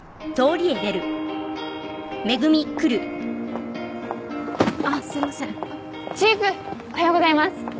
おはようございます。